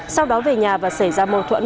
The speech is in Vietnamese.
sau đó về nhà và xảy ra mâu thuẫn